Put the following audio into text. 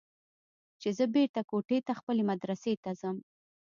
چې زه بېرته کوټې ته خپلې مدرسې ته ځم.